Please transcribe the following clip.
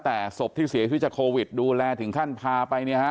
แต่ศพที่เสียชีวิตจากโควิดดูแลถึงขั้นพาไปเนี่ยฮะ